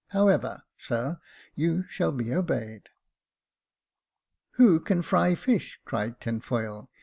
However, sir, you shall be obeyed." "Who can fry fish?" cried Tinfoil.